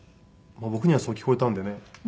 僕にはそう聞こえたんでね